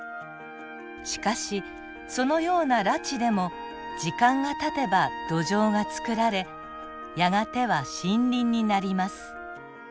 しかしそのような裸地でも時間がたてば土壌が作られやがては森林になります。